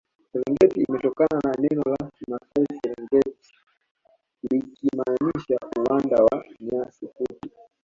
serengeti imetokana na neno la kimasai serengit likimaanisha uwanda wa nyasi fupi